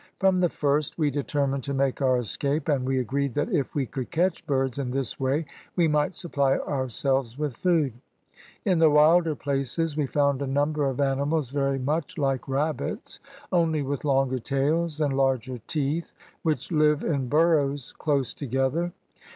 From the first we determined to make our escape, and we agreed that if we could catch birds in this way we might supply ourselves with food. In the wilder places we found a number of animals very much like rabbits, only with longer tails and larger teeth, which live in burrows close together.